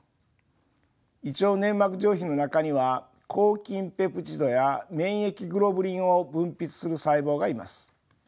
胃腸粘膜上皮の中には抗菌ペプチドや免疫グロブリンを分泌する細胞がいます。